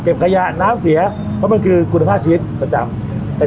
เก็บขยะน้ำเสียเพราะว่ามันคือกุณภาพชีวิตประจ่ำ